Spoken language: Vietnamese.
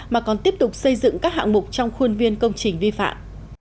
mà còn tiếp tục xây dựng các hạng mục trong khuôn viên công trình vi phạm